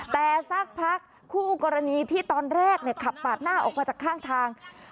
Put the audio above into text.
แต่สักพักคู่กรณีที่ตอนแรกขับปาดหน้าออกมาจากข้างทาง